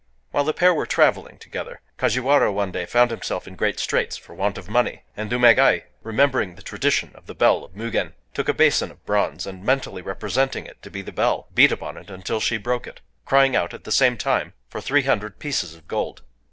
While the pair were traveling together, Kajiwara one day found himself in great straits for want of money; and Umégaë, remembering the tradition of the Bell of Mugen, took a basin of bronze, and, mentally representing it to be the bell, beat upon it until she broke it,—crying out, at the same time, for three hundred pieces of gold.